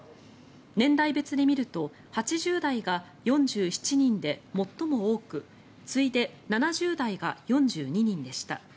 年代別で見ると８０代が４７人で最も多く次いで７０代が４２人でした。